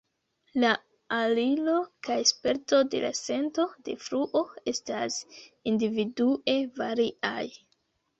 La aliro kaj sperto de la sento de fluo estas individue variaj.